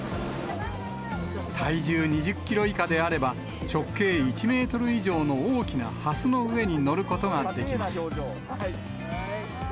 体重２０キロ以下であれば、直径１メートル以上の大きなハスの上に乗ることができます。